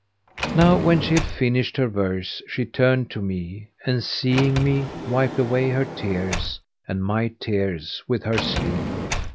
Now when she had finished her verse she turned to me and, seeing me, wiped away her tears and my tears with her sleeve.